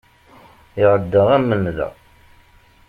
Iɛedda am nnda.